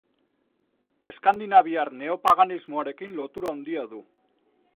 Eskandinaviar neopaganismoarekin lotura handia du.